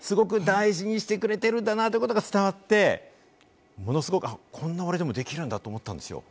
でも何かすごく大事にしてくれてるんだなってことが伝わってものすごく、こんな俺でもできるんだって思ったんですよ。